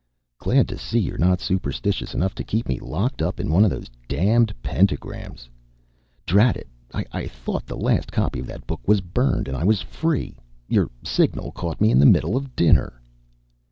"Glad to see you're not superstitious enough to keep me locked up in one of those damned pentagrams. Drat it, I thought the last copy of that book was burned and I was free. Your signal caught me in the middle of dinner."